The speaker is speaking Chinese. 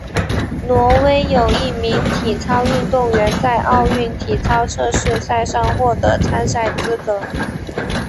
挪威有一名体操运动员在奥运体操测试赛上获得参赛资格。